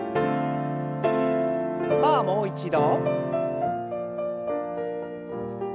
さあもう一度。